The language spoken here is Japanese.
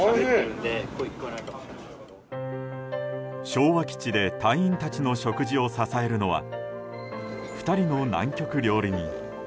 昭和基地で隊員たちの食事を支えるのは２人の南極料理人。